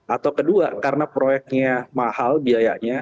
atau kedua karena proyeknya mahal biayanya